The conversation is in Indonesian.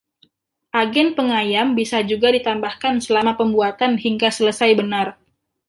Agen penganyam bisa juga ditambahkan selama pembuatan hingga selesai benar.